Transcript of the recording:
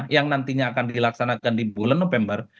yang nantinya akan dilaksanakan di bulan november